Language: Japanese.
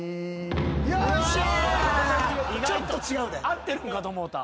合ってるんかと思うた。